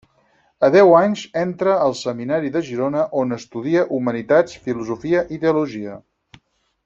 A deu anys entra al Seminari de Girona on estudia Humanitats, Filosofia i Teologia.